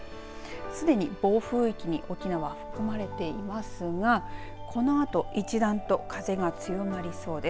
すでに暴風域に沖縄、含まれていますがこのあと一段と風が強まりそうです。